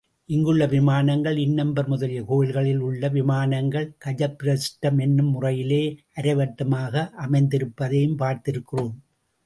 இங்குள்ள விமானங்கள், இன்னம்பர் முதலிய கோயில்களில் உள்ள விமானங்கள் கஜப்பிரஷ்டம் என்னும் முறையிலே அரை வட்டமாக அமைந்திருப்பதையும் பார்த்திருக்கிறோம்.